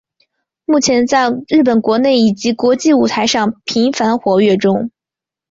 目前在日本国内以及国际舞台上频繁活跃中。